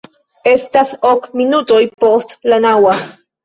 Estas ok minutoj post la naŭa.